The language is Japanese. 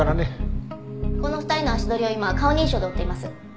この２人の足取りを今顔認証で追っています。